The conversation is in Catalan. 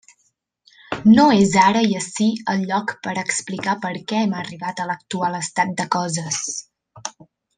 No és ara i ací el lloc per a explicar per què hem arribat a l'actual estat de coses.